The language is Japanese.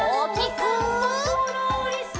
「そろーりそろり」